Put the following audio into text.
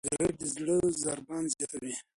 سګریټ د زړه ضربان زیاتوي.